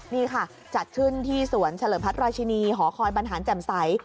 นี่ค่ะจัดขึ้นที่สวนเฉลิมพัฒนราชินีหอคอยบรรหารแจ่มใส